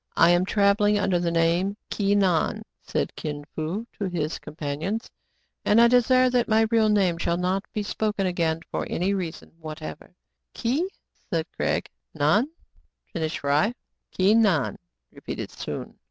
"I am travelling under the name of Ki Nan," said Kin Fo to his companions ; "and I desire that my real name shall not be spoken again for any reason whatever/* " Ki — said Craig. " Nan," finished Fry. " Ki Nan/* repeated Soun.